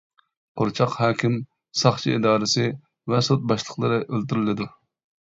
قورچاق ھاكىم، ساقچى ئىدارىسى ۋە سوت باشلىقلىرى ئۆلتۈرۈلىدۇ.